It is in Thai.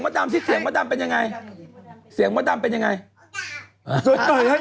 พี่โมดดำสิเสียงพี่โมดดำเป็นยังไงเสียงพี่โมดดำเป็นยังไงสดใหม่ให้